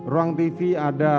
ruang tv ada